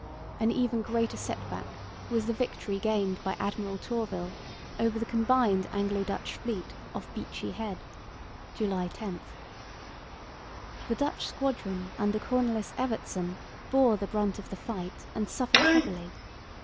An even greater set back was the victory gained by Admiral Tourville over the combined Anglo Dutch fleet off Beachy Head (July 10). The Dutch squadron under Cornelis Evertsen bore the brunt of the fight and suffered heavily.